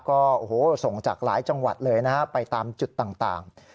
ก็ส่งจากหลายจังหวัดเลยนะฮะไปตามจุดต่าง